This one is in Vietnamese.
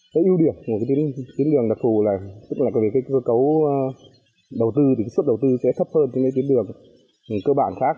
cái ưu điểm của cái tiến đường đặc thù là tức là cái cơ cấu đầu tư thì cái suất đầu tư sẽ thấp hơn cái tiến đường cơ bản khác